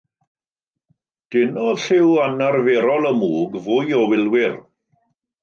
Denodd lliw anarferol y mwg fwy o wylwyr.